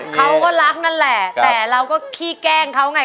เขาก็รักนั่นแหละแต่เราก็ขี้แกล้งเขาไง